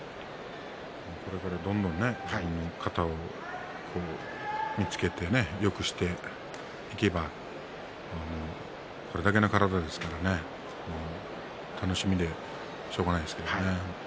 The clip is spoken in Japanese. これから、どんどんね型を見つけてよくしていけばこれだけの体ですからね楽しみでしょうがないですけどね。